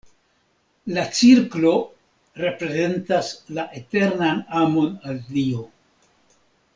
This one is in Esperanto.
La cirklo reprezentas la eternan amon al Dio.